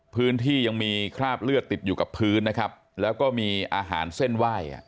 พื้นที่ยังมีคราบเลือดติดอยู่กับพื้นนะครับแล้วก็มีอาหารเส้นไหว้